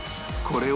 これ。